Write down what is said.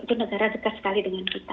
itu negara dekat sekali dengan kita